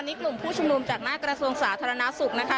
ตอนนี้กลุ่มผู้ชุมรวมจากหน้ากรสวงศาอาธารณสุขนะ